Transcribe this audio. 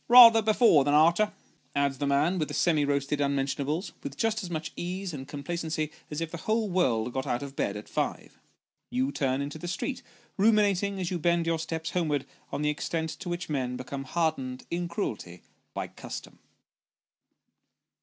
"Bather before than arter," adds the man with the semi roasted unmention ables, with just as much ease and complacency as if the whole world got out of bed at five. You turn into the street, ruminating as you bend your steps homewards on the extent to which men become hardened in cruelty, by custom.